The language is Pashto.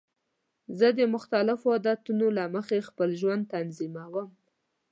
زه د مختلفو عادتونو له مخې خپل ژوند تنظیم کوم.